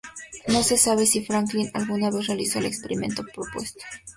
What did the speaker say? No se sabe si Franklin alguna vez realizó el experimento propuesto.